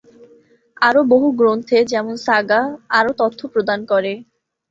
আরও বহু গ্রন্থে, যেমন সাগা, আরও তথ্য প্রদান করে।